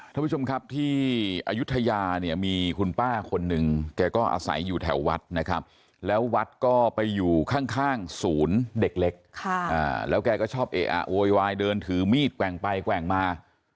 ท่านผู้ชมครับที่อายุทยาเนี่ยมีคุณป้าคนหนึ่งแกก็อาศัยอยู่แถววัดนะครับแล้ววัดก็ไปอยู่ข้างศูนย์เด็กเล็กแล้วแกก็ชอบเอะอะโวยวายเดินถือมีดแกว่งไปแกว่งมา